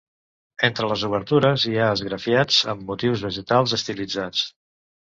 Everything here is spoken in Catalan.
Entre les obertures hi ha esgrafiats amb motius vegetals estilitzats.